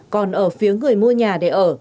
còn ở phía người mua nhà để ở